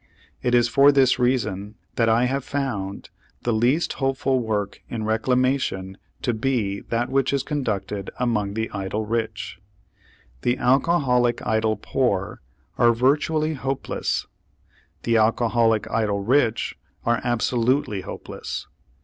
It is for this reason that I have found the least hopeful work in reclamation to be that which is conducted among the idle rich. The alcoholic idle poor are virtually hopeless; the alcoholic idle rich are absolutely hopeless.